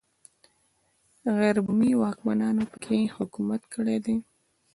غیر بومي واکمنانو په کې حکومت کړی دی